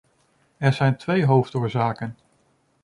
Er zijn twee hoofdoorzaken.